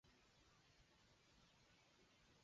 平坝铁线莲为毛茛科铁线莲属下的一个种。